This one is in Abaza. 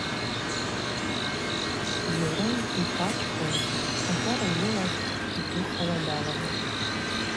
Зорым йпачӏкӏвын, агара йылаз, ддухауа далагатӏ.